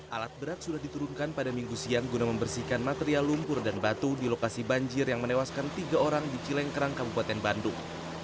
alat berat sudah diturunkan pada minggu siang guna membersihkan material lumpur dan batu di lokasi banjir yang menewaskan tiga orang di cilengkerang kabupaten bandung